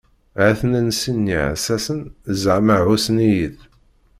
Ha-ten-an sin n yiɛessasen zaɛma ɛussen-iyi-d.